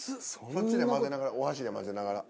こっちで混ぜながらお箸で混ぜながら。